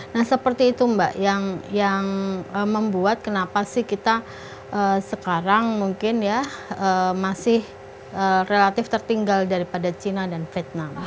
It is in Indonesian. nah seperti itu mbak yang membuat kenapa sih kita sekarang mungkin ya masih relatif tertinggal daripada cina dan vietnam